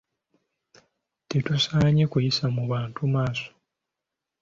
Tetusaanye kuyisa mu bantu maaso.